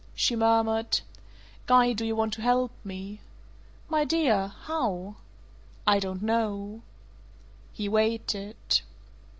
She murmured: "Guy, do you want to help me?" "My dear! How?" "I don't know!" He waited.